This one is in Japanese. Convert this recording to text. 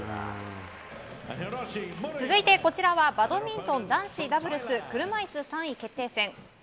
続いてこちらはバドミントン男子ダブルス車いす３位決定戦。